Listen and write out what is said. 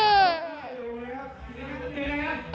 เออ